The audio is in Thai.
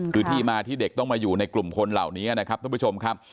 คือที่มาที่เด็กต้องมาอยู่ในกลุ่มคนเหล่านี้นะครับท่านผู้ชมครับ